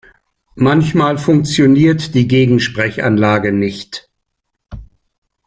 Manchmal funktioniert die Gegensprechanlage nicht.